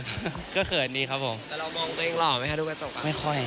ไม่ก่อยหรอก